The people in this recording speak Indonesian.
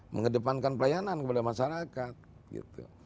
mengedepankan pelayanan kepada masyarakat